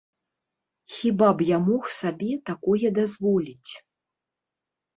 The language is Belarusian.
Хіба б я мог сабе такое дазволіць?